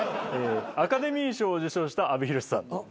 アカデミー賞を受賞した阿部寛さん。